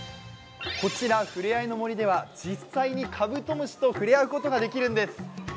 こちら、ふれあいの森では実際にカブトムシと触れ合うことができるんです。